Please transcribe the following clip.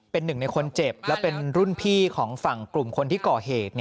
เป็นหนึ่งในคนเจ็บและเป็นรุ่นพี่ของฝั่งกลุ่มคนที่ก่อเหตุ